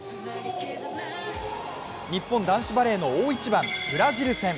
日本男子バレーの大一番ブラジル戦。